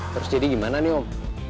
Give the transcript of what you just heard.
terus jadi gimana nih om